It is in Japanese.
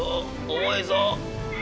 重いぞ！